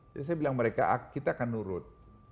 jadi saya bilang mereka kita akan nurut